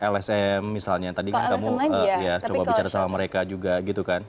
lsm misalnya tadi kan kamu ya coba bicara sama mereka juga gitu kan